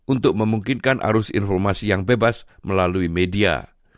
untuk memungkinkan arus informasi yang bebas melalui media